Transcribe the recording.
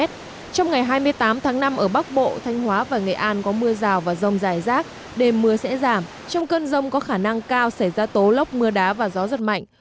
trong ngày hai mươi tám tháng năm ở bắc bộ thanh hóa và nghệ an có mưa rào và rông dài rác đêm mưa sẽ giảm trong cơn rông có khả năng cao xảy ra tố lốc mưa đá và gió giật mạnh